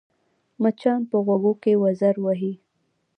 مچان په غوږو کې وزر وهي